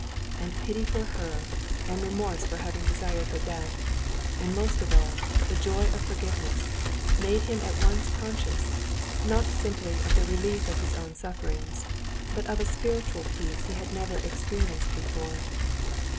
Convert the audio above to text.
And pity for her, and remorse for having desired her death, and most of all, the joy of forgiveness, made him at once conscious, not simply of the relief of his own sufferings, but of a spiritual peace he had never experienced before.